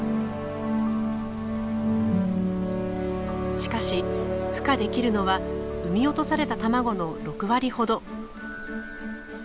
しかしふ化できるのは産み落とされた卵の６割ほど。